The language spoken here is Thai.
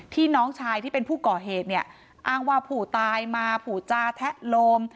น้องชายที่เป็นผู้ก่อเหตุเนี่ยอ้างว่าผู้ตายมาผูจาแทะโลม